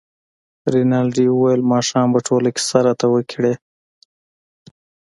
رینالډي وویل ماښام به ټوله کیسه راته وکړې.